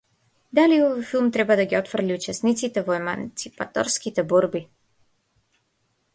Дали овој филм треба да ги отфрли учесниците во еманципаторските борби?